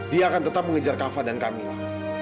dia akan tetap mengejar kava dan kamila